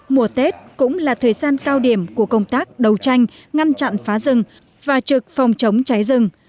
mùa tết cũng là thời gian cao điểm của công tác đấu tranh ngăn chặn phá rừng và trực phòng chống cháy rừng